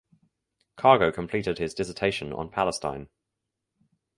Cargo completed his dissertation on Palestine.